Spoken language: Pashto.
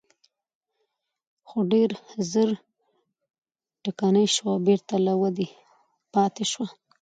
خو ډېر ژر ټکنۍ شوه او بېرته له ودې پاتې شوه.